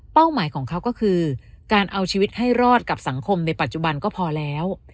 หมายของเขาก็คือการเอาชีวิตให้รอดกับสังคมในปัจจุบันก็พอแล้ว